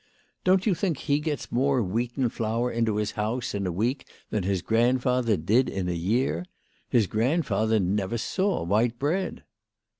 " Don't you think he gets more wheaten flour into his house in a week than his grandfather did in a year ? His grand father never saw white bread."